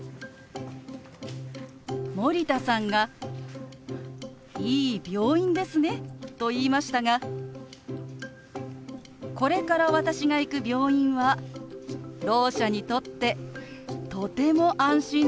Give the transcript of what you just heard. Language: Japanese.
森田さんが「いい病院ですね」と言いましたがこれから私が行く病院はろう者にとってとても安心できる病院なんです。